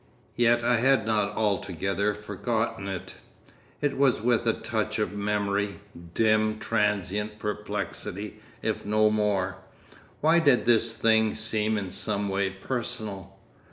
Yet I had not altogether forgotten it. It was with a touch of memory, dim transient perplexity if no more—why did this thing seem in some way personal?